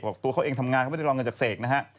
ตัวเขาเองทำงานเขาไม่ได้รอเงินจากเสกนะฮะ